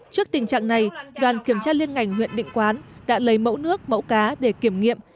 trước tình trạng này đoàn kiểm tra liên ngành huyện định quán đã lấy mẫu nước mẫu cá để kiểm nghiệm